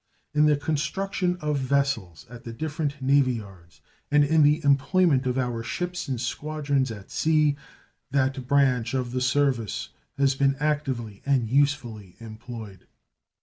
In the construction of vessels at the different navy yards and in the employment of our ships and squadrons at sea that branch of the service has been actively and usefully employed.